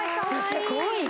すごいね！